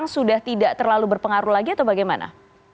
sudah tidak terlalu berpengaruh lagi atau bagaimana